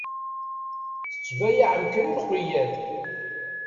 Tettbayaεem kan i lqeyyad.